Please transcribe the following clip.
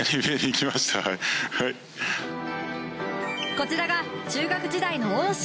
こちらが中学時代の恩師